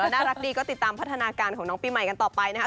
น่ารักดีก็ติดตามพัฒนาการของน้องปีใหม่กันต่อไปนะครับ